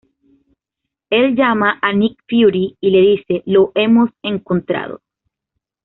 Él llama a Nick Fury y le dice: "Lo hemos encontrado.